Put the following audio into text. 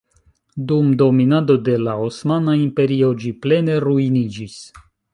Dum dominado de la Osmana Imperio ĝi plene ruiniĝis.